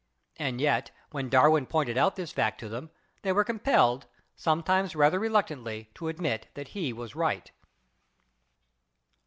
And yet when Darwin pointed out this fact to them, they were compelled, sometimes rather reluctantly, to admit that he was right.